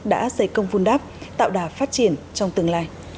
đã xây công vun đáp tạo đà phát triển trong tương lai